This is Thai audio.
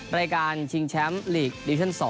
รายการชิงแชมป์ลีกดิชั่น๒